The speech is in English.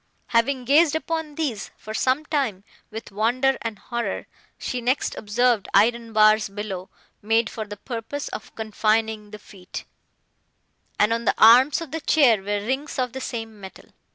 Having gazed upon these, for some time, with wonder and horror, she next observed iron bars below, made for the purpose of confining the feet, and on the arms of the chair were rings of the same metal.